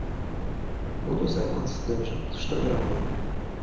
Буду займацца тым жа, што і раней.